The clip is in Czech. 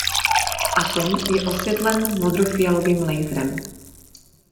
Atom je osvětlen modrofialovým laserem.